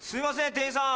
店員さん。